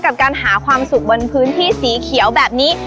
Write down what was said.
กับการหาความสุขบนพื้นที่สีเขียวแบบนี้